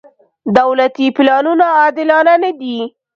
دولتي پلانونه عادلانه نه دي.